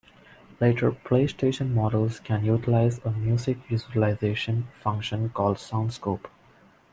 Later PlayStation models can utilize a music visualization function called SoundScope.